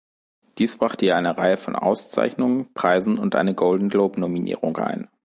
Dies brachte ihr eine Reihe von Auszeichnungen, Preisen und eine Golden-Globe-Nominierung ein.